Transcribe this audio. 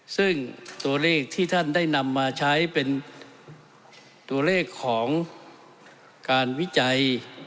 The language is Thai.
ซึ่งตัวเลขที่ท่านได้นำมาใช้เป็นตัวเลขของการวิจัย